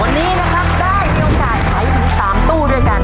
วันนี้นะครับได้มีโอกาสขายถึง๓ตู้ด้วยกัน